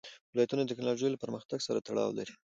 ولایتونه د تکنالوژۍ له پرمختګ سره تړاو لري.